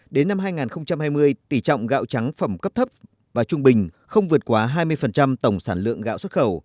đến năm hai nghìn hai mươi tỷ trọng gạo trắng phẩm cấp thấp và trung bình không vượt quá hai mươi tổng sản lượng gạo xuất khẩu